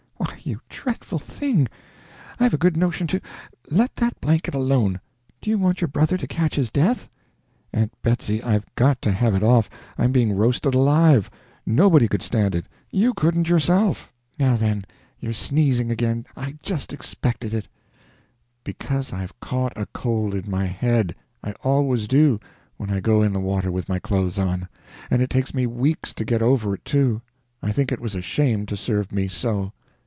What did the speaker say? "Why, you dreadful thing! I've a good notion to let that blanket alone; do you want your brother to catch his death?" "Aunt Betsy, I've got to have it off, I'm being roasted alive; nobody could stand it you couldn't yourself." "Now, then, you're sneezing again I just expected it." "Because I've caught a cold in my head. I always do, when I go in the water with my clothes on. And it takes me weeks to get over it, too. I think it was a shame to serve me so."